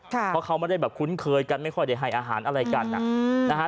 เพราะเขาไม่ได้แบบคุ้นเคยกันไม่ค่อยได้ให้อาหารอะไรกันนะฮะ